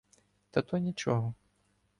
Та то нічого.